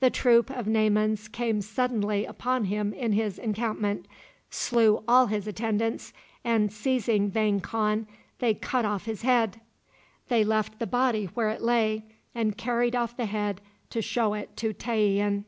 The troop of Naymans came suddenly upon him in his encampment, slew all his attendants, and, seizing Vang Khan, they cut off his head. They left the body where it lay, and carried off the head to show it to Tayian.